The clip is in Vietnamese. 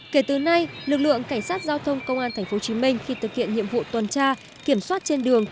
kể từ nay lực lượng cảnh sát giao thông công an tp hcm khi thực hiện nhiệm vụ tuần tra kiểm soát trên đường